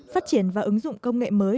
phát triển và ứng dụng công nghệ mới